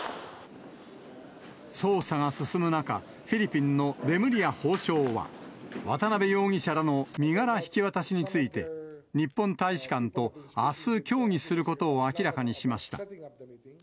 捜査が進む中、フィリピンのレムリヤ法相は、渡辺容疑者らの身柄引き渡しについて、日本大使館とあす協議することを明らかにしました。